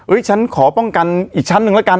ฉันขอป้องกันอีกชั้นหนึ่งแล้วกัน